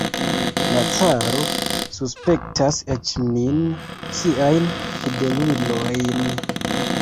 La caro suspektas eĉ nin, siajn fidelulojn!